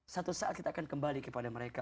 satu saat kita akan kembali kepada mereka